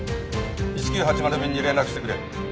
１９８０便に連絡してくれ。